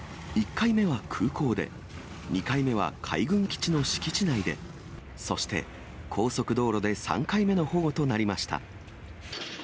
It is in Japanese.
１回目は空港で、２回目は海軍基地の敷地内で、そして、高速道路で３回目の保護となりました。